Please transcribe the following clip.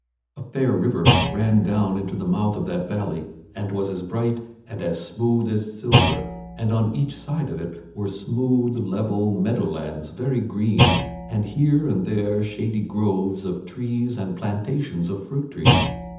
A fair river ran down into the mouth of that valley and it was as bright and as smooth as silver, and on each side of it were smooth level meadow lands very green and here and there shady groves of trees and plantations of fruit trees.